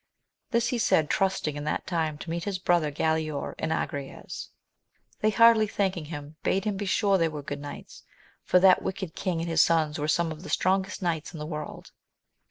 This he said trusting in that time to meet his brother Galaor and Agrayes. They heartily thanking him, bade him besure they were good knights, for that wicked king and his sons were some of the strongest knights in the world.